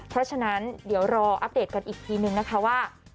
เพราะฉะนั้นเดี๋ยวรออัปเดตกันอีกทีนึงนะคะว่า